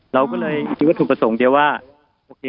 เราก็เลยตุกส่งดีกว่าอีกที